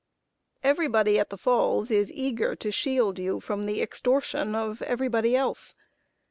Everybody at the Falls is eager to shield you from the extortion of everybody else.